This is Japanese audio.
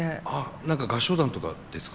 何か合唱団とかですか？